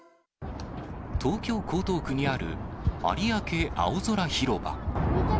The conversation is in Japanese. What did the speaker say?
東京・江東区にある、有明あおぞら広場。